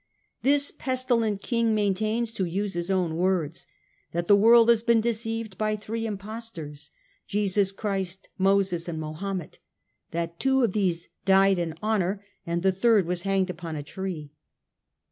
This pestilent King maintains, to use his own words, that the world has been deceived by three impostors : Jesus Christ, Moses and Mahomet ; that two of these died in honour and the third was hanged upon a tree.